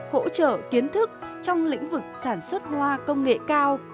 với cam kết hỗ trợ kiến thức trong lĩnh vực sản xuất hoa công nghệ cao